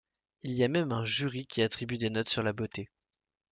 Il y a même un jury qui attribue des notes sur la beauté.